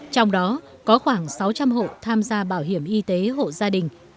trong đó có khoảng sáu trăm linh hộ tham gia bảo hiểm y tế hộ gia đình